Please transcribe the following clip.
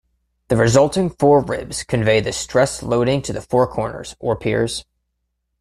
The resulting four ribs convey the stress loading to the four corners, or piers.